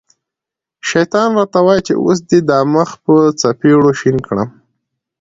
شیطان را ته وايي چې اوس دې دا مخ په څپېړو شین کړم.